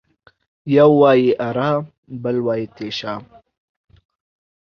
يو وايي اره ، بل وايي تېشه.